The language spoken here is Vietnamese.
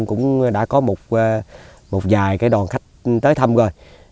cũng đã có một vài cái đoàn khách tới thăm rồi